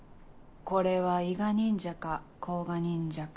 これは伊賀忍者か甲賀忍者か。